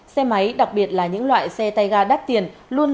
xe máy đặc biệt là những loại xe tay ga đắt tiền luôn